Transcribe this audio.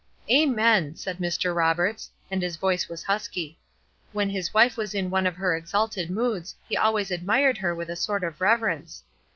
"Amen!" said Mr. Roberts, and his voice was husky. When his wife was in one of her exalted moods he always admired her with a sort of reverence.